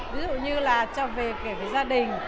ví dụ như là cho về kể về gia đình